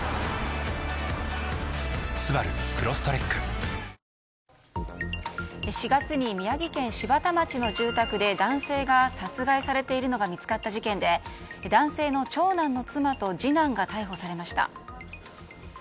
血圧１３０超えたらサントリー「胡麻麦茶」４月に宮城県柴田町の住宅で男性が殺害されているのが見つかった事件で男性の長男の妻と次男が逮捕されました。